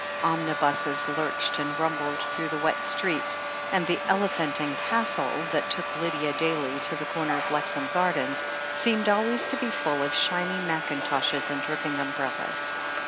Omnibuses lurched and rumbled through the wet streets, and the "Elephant and Castle," that took Lydia daily to the comer of Lexham Gardens, seemed always full of shiny mackin toshes and dripping umbrellas.